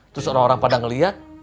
terus orang orang pada ngelihat